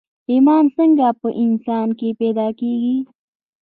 ايمان څنګه په انسان کې پيدا کېږي